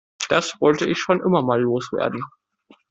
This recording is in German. Das wollte ich schon immer mal loswerden.